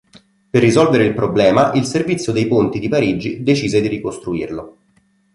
Per risolvere il problema il Servizio dei ponti di Parigi decise di ricostruirlo.